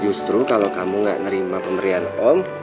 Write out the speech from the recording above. justru kalau kamu gak nerima pemberian om